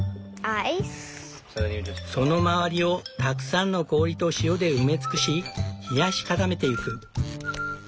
その周りをたくさんの氷と塩で埋め尽くし冷やし固めてゆく。